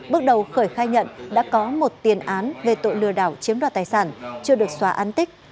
bước đầu khởi khai nhận đã có một tiền án về tội lừa đảo chiếm đoạt tài sản chưa được xóa án tích